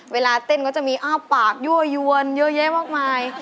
เวลาเต้นเหมือนจะมีอ้าวปากหยั่วเยอะมากมาย